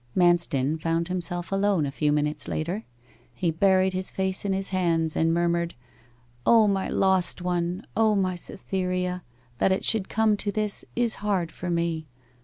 Manston found himself alone a few minutes later. He buried his face in his hands, and murmured, 'O my lost one! O my Cytherea! That it should come to this is hard for me!